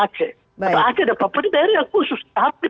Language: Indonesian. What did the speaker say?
apa aceh dan papua ini daerah khusus